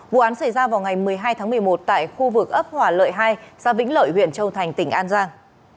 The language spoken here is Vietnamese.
vụ án xảy ra vào ngày một mươi hai tháng một mươi một tại khu vực ấp hòa lợi hai xã vĩnh lợi huyện châu thành tỉnh an giang